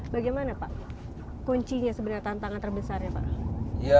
bagaimana pak kuncinya sebenarnya tantangan terbesarnya pak